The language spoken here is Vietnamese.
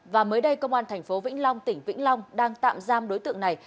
và mới đây công an thành phố vĩnh long tỉnh vĩnh long đang tạm giam đối tượng này